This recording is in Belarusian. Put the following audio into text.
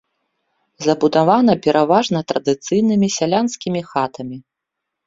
Забудавана пераважна традыцыйнымі сялянскімі хатамі.